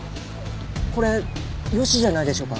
これヨシじゃないでしょうか？